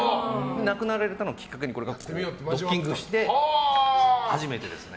亡くなられたのをきっかけにドッキングして初めてですね。